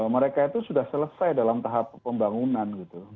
mereka itu sudah selesai dalam tahap pembangunan gitu